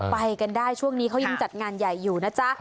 ไปกันได้ช่วงนี้เขายังจัดงานใหญ่อยู่นะจ๊ะ